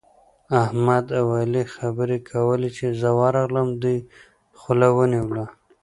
احمد او علي خبرې کولې؛ چې زه ورغلم، دوی خوله ونيوله.